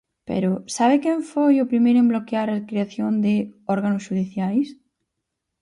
Pero ¿sabe quen foi o primeiro en bloquear a creación de órganos xudiciais?